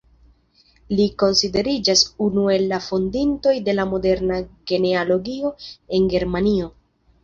Li konsideriĝas unu el la fondintoj de la moderna genealogio en Germanio.